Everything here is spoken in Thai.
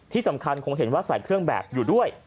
ที่สำคัญคงเห็นว่าใส่เครื่องแบบอยู่ด้วย